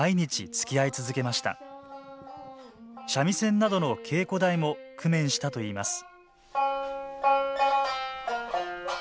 三味線などの稽古代も工面したといいます